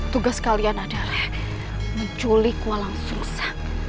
tugas kalian adalah menculik walang sungsang